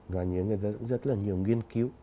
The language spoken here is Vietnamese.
và người ta cũng rất là nhiều nghiên cứu